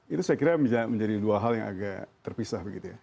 itu saya kira menjadi dua hal yang agak terpisah begitu ya